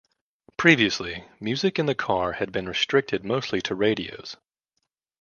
Previously, music in the car had been restricted mostly to radios.